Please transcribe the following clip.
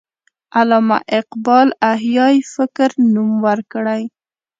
علامه اقبال احیای فکر نوم ورکړی.